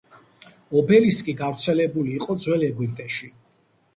ობელისკი გავრცელებული იყო ძველ ეგვიპტეში.